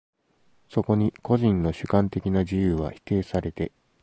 そこに個人の主観的な自由は否定されて、